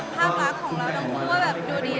ภาพรักของเราทั้งคู่ว่าแบบดูดี